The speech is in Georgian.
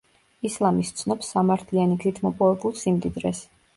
ისლამი სცნობს სამართლიანი გზით მოპოვებულ სიმდიდრეს.